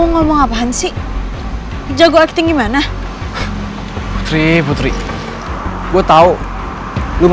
sampai jumpa di video selanjutnya